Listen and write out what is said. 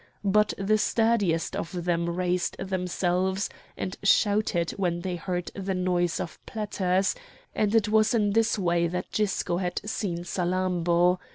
But the sturdiest of them raised themselves and shouted when they heard the noise of platters, and it was in this way that Gisco had seen Salammbô.